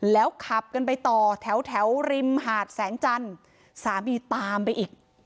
แล้วขับกันไปต่อแถวแถวริมหาดแสงจันทร์สามีตามไปอีก